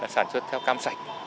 sản xuất theo cam sạch